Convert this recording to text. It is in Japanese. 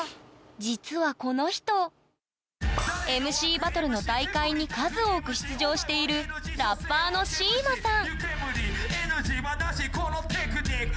実はこの人ＭＣバトルの大会に数多く出場しているラッパーのＣＩＭＡさん